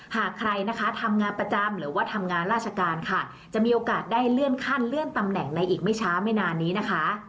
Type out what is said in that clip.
หากใครนะคะทำงานประจำหรือว่าทำงานราชการค่ะจะมีโอกาสได้เลื่อนขั้นเลื่อนตำแหน่งในอีกไม่ช้าไม่นานนี้นะคะ